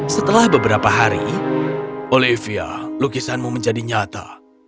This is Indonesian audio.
setelah beberapa hari olivia lukisanmu menjadi nyata